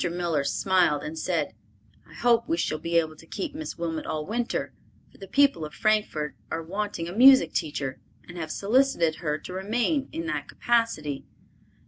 Miller smiled and said, "I hope we shall be able to keep Miss Wilmot all winter, for the people of Frankfort are wanting a music teacher, and have solicited her to remain in that capacity."